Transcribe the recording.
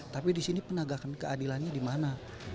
tapi di sini penegakan keadilannya di mana